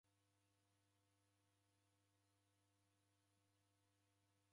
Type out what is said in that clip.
Idime ni ituku jha njumwa.